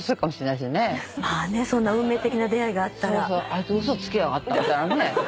あいつ嘘つきやがったみたいなね。